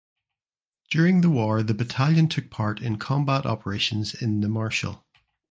During the war the battalion took part in combat operations in the Marshall.